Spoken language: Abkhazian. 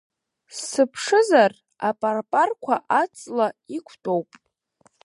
Сыԥшызар апарпарқәа аҵла иқәтәоуп.